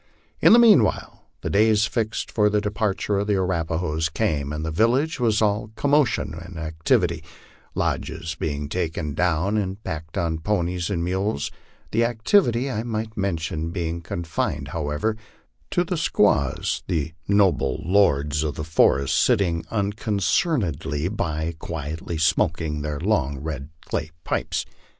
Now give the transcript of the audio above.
In the meanwhile the day fixed for the departure of the Arapahoes came, and the village was all commotion and activity, lodges being taken down and packed on ponies and mules; the activity, I might mention, being confined, however, to the squaws, the noble lords of the forest sitting unconcernedly by, quietly smoking their lorgred clay pipes.